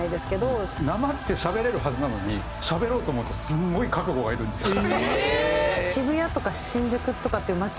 なまってしゃべれるはずなのにしゃべろうと思うとすごい覚悟がいるんですよ。